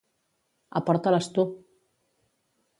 Aporta-les tu!